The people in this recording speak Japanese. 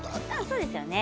そうですよね。